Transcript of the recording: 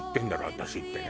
私ってね。